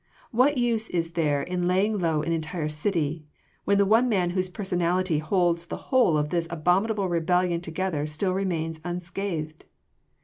What use is there in laying low an entire city, when the one man whose personality holds the whole of this abominable rebellion together still remains unscathed?